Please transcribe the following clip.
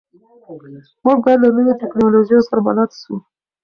موږ باید له نویو ټکنالوژیو سره بلد سو.